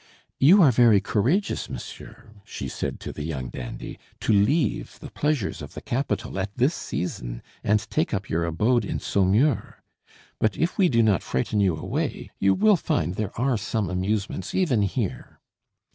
"You are very courageous, monsieur," she said to the young dandy, "to leave the pleasures of the capital at this season and take up your abode in Saumur. But if we do not frighten you away, you will find there are some amusements even here."